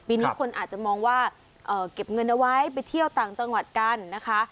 นี้คนอาจจะมองว่าเก็บเงินเอาไว้ไปเที่ยวต่างจังหวัดกันนะคะ